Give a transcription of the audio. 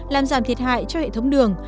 làm giảm thiệt hại cho hệ thống đường